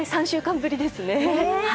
３週間ぶりですね。